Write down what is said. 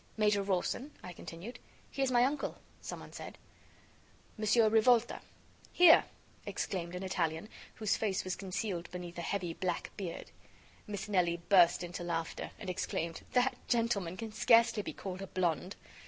"Major Rawson," I continued. "He is my uncle," some one said. "Mon. Rivolta." "Here!" exclaimed an Italian, whose face was concealed beneath a heavy black beard. Miss Nelly burst into laughter, and exclaimed: "That gentleman can scarcely be called a blonde."